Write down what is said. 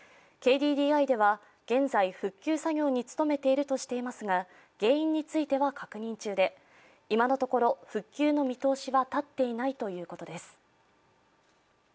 ＫＤＤＩでは現在、復旧作業に努めているとしていますが原因については確認中で、今のところ復旧の見通しは立っていないということです。